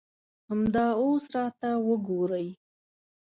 همدا اوس راته وګورئ.